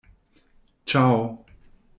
Ciao!